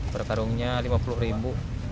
per karungnya rp lima puluh